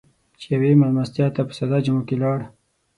چې يوې مېلمستیا ته په ساده جامو کې لاړ.